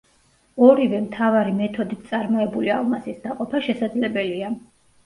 ორივე მთავარი მეთოდით წარმოებული ალმასის დაყოფა შესაძლებელია.